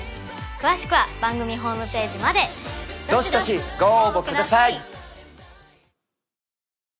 詳しくは番組ＨＰまでどしどしご応募ください